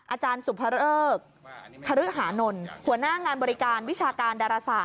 อาจารย์สุพระเอิกครึหานลหัวหน้างานบริการวิชาการดรษา